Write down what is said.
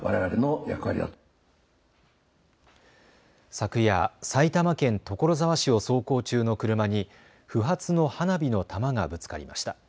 昨夜、埼玉県所沢市を走行中の車に不発の花火の玉がぶつかりました。